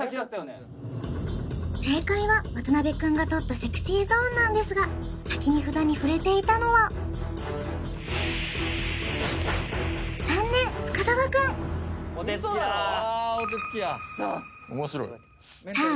正解は渡辺くんが取ったＳｅｘｙＺｏｎｅなんですが先に札に触れていたのは残念深澤くんウソだろクソさあ